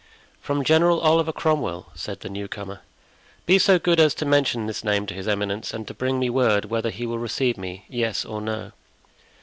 "From General Oliver Cromwell," said the new comer. "Be so good as to mention this name to his eminence and to bring me word whether he will receive me—yes or no."